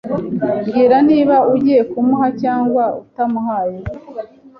Mbwira niba ugiye kumuha cyangwa utamuhaye.